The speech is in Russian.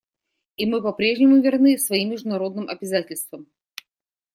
И мы по-прежнему верны своим международным обязательствам.